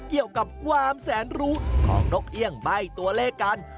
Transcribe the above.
เกี่ยวกับความแสนรู้ของนกเอี่ยงใบ้ตัวเลขกัน